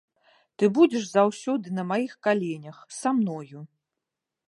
Ты будзеш заўсёды на маіх каленях, са мною.